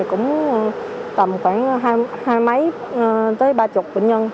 cũng tầm khoảng hai máy tới ba mươi bệnh nhân